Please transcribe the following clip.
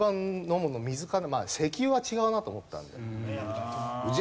石油は違うなと思ったんで。